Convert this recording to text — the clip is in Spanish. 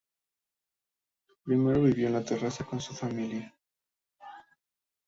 Primero vivió en Tarrasa con su familia.